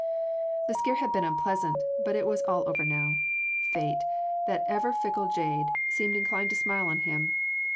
The scare had been unpleasant, but it was all over now: Fate that ever fickle jade seemed inclined to smile on him.